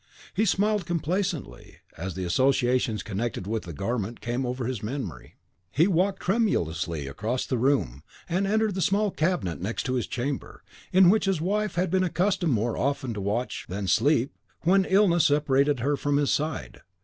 He smiled complacently as the associations connected with the garment came over his memory; he walked tremulously across the room, and entered the small cabinet next to his chamber, in which his wife had been accustomed more often to watch than sleep, when illness separated her from his side.